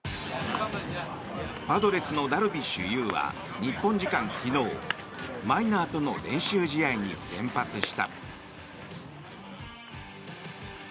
パドレスのダルビッシュ有は日本時間昨日マイナーとの練習試合に先発した。